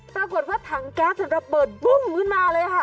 ปรากฏว่าถังแก๊สระเบิดบึ้มขึ้นมาเลยค่ะ